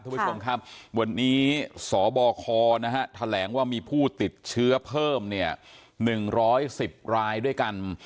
คุณผู้ชมครับวันนี้สบคแถลงว่ามีผู้ติดเชื้อเพิ่มเนี่ย๑๑๐รายด้วยกัน